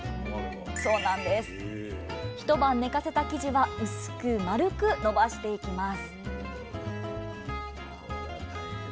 一晩寝かせた生地は薄く丸く延ばしていきます